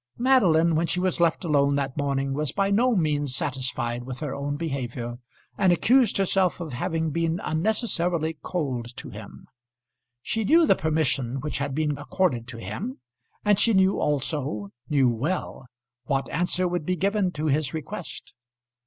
Madeline, when she was left alone that morning, was by no means satisfied with her own behaviour, and accused herself of having been unnecessarily cold to him. She knew the permission which had been accorded to him, and she knew also knew well what answer would be given to his request.